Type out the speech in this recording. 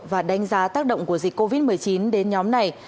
và đánh giá tác động của dịch covid một mươi chín đến nhóm này